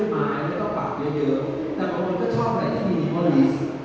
ไม่ว่าอันไหนจะแบบห่อต่าง